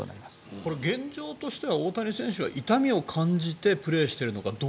現状としては大谷選手は痛みを感じてプレーしてるのか。